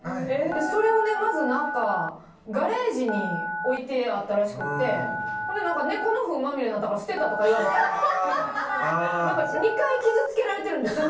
それをまずガレージに置いてあったらしくて猫のふんまみれになったから捨てたって言われて２回傷つけられてるんです。